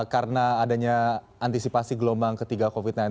karena adanya antisipasi gelombang ketiga covid sembilan belas